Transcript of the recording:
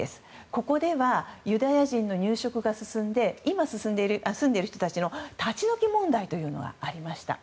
ここではユダヤ人の入植が進んで今住んでいる人たちの立ち退き問題というのがありました。